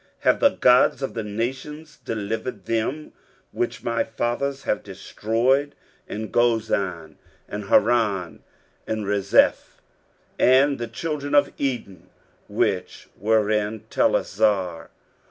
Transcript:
23:037:012 Have the gods of the nations delivered them which my fathers have destroyed, as Gozan, and Haran, and Rezeph, and the children of Eden which were in Telassar?